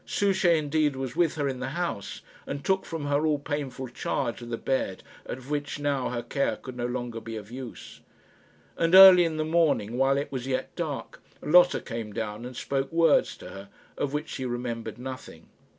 Souchey, indeed, was with her in the house, and took from her all painful charge of the bed at which now her care could no longer be of use. And early in the morning, while it was yet dark, Lotta came down, and spoke words to her, of which she remembered nothing.